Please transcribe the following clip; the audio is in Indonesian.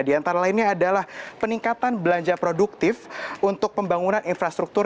di antara lainnya adalah peningkatan belanja produktif untuk pembangunan infrastruktur